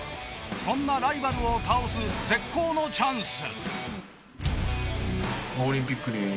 そんなライバルを倒す絶好のチャンス。